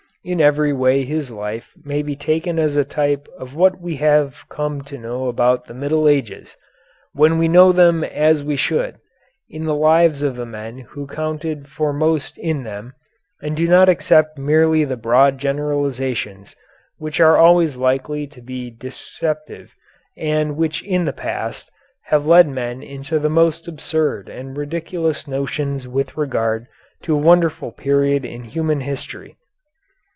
In every way his life may be taken as a type of what we have come to know about the Middle Ages, when we know them as we should, in the lives of the men who counted for most in them, and do not accept merely the broad generalizations which are always likely to be deceptive and which in the past have led men into the most absurd and ridiculous notions with regard to a wonderful period in human history.